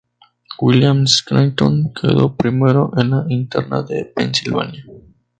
William Scranton quedó primero en la interna de Pensilvania.